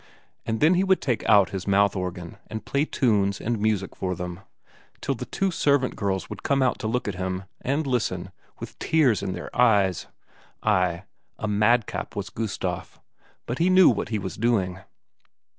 And then he would take out his mouth organ and play tunes and music for them, till the two servant girls would come out and look at him, and listen, with tears in their eyes. Ay, a madcap was Gustaf, but he knew what he was doing!